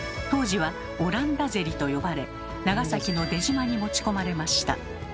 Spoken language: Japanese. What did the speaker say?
当時は「オランダゼリ」と呼ばれ長崎の出島に持ち込まれました。